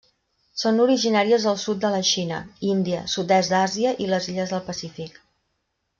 Són originàries del sud de la Xina, Índia, sud-est d’Àsia i les illes del Pacífic.